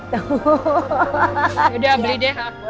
yaudah beli deh